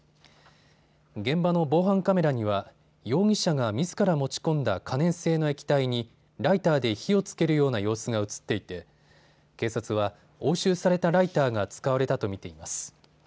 現場の防犯カメラには容疑者がみずから持ち込んだ可燃性の液体にライターで火をつけるような様子が写っていて警察は押収されたライターが使われたと見ています。